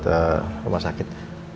kemar rumah sakit